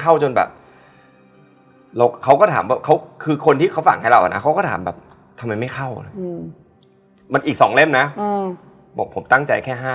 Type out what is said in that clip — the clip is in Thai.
เขาแบบเอาละพี่ตีหนูวะ